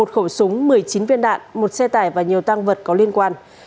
một khẩu súng một mươi chín viên đạn một xe tải và nhiều tăng vật có liên quan